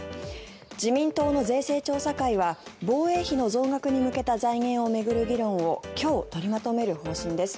自民党の税制調査会は防衛費の増額に向けた財源を巡る議論を今日、取りまとめる方針です。